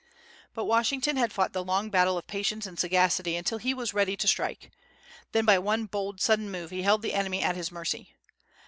But Washington had fought the long battle of patience and sagacity until he was ready to strike. Then by one bold, sudden move he held the enemy at his mercy.